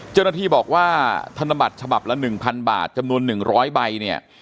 เจ้านาธิบอกว่าธนบัตรฉบับละ๑๐๐๐บาทจำนวน๑ร้อยใบ